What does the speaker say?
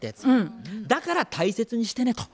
だから大切にしてね」と。